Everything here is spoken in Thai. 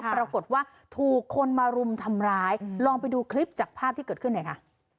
ปรากฏว่าถูกคนมารุมทำร้ายลองไปดูคลิปจากภาพที่เกิดขึ้นหน่อยค่ะ